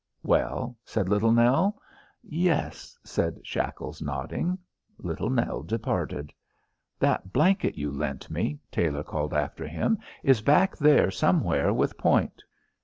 "Well?" said Little Nell. "Yes," said Shackles, nodding. Little Nell departed. "That blanket you lent me," Tailor called after him, "is back there somewhere with Point."